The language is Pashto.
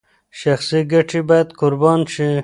شخصي ګټې باید قربان شي.